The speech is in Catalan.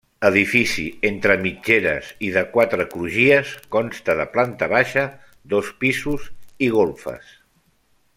Edifici entre mitgeres i de quatre crugies, consta de planta baixa, dos pisos i golfes.